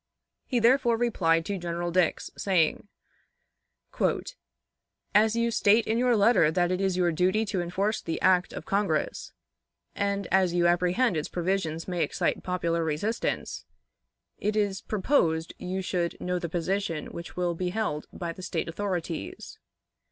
He therefore replied to General Dix, saying: "As you state in your letter that it is your duty to enforce the act of Congress, and, as you apprehend its provisions may excite popular resistance, it is proposed you should know the position which will be held by the State authorities.